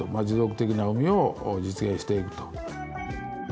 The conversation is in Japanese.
持続的な海を実現していくと。